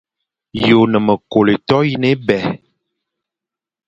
Ye one me kôlo toyine ébèign.